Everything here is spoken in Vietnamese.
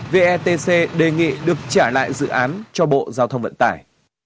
vetc đề nghị được trả lại dự án cho bộ giao thông vận tải